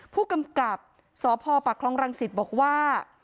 ผู้กำกับสพปคลองรังสิตบอกว่า